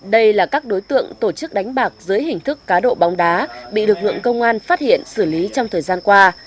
đây là các đối tượng tổ chức đánh bạc dưới hình thức cá độ bóng đá bị lực lượng công an phát hiện xử lý trong thời gian qua